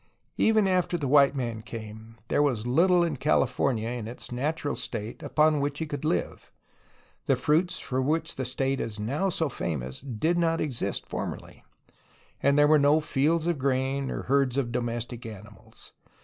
Even after the white man came, there was little in Cali fornia in its natural state upon which he could live. The fruits for which the state is now so famous did not exist formerly, and there were no fields of grain or herds of do mestic animals.